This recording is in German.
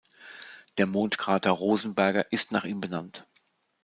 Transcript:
Der Mondkrater Rosenberger ist nach ihm benannt.